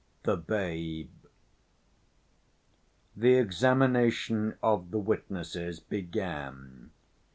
The Babe The examination of the witnesses began.